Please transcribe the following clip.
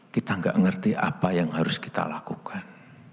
kita nggak ngerti apa yang harus kita lakukan